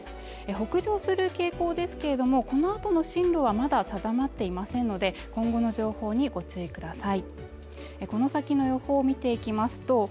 北上する傾向ですけれどもこの後の進路はまだ定まっていませんので今後の情報にご注意ください。